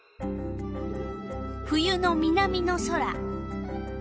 冬の南の空。